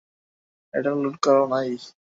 এটা লোড করাও নেই।